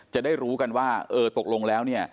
จะได้รู้กันว่าเออตกลงแล้วเนี่ย